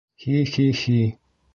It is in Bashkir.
Хи-хи-хи...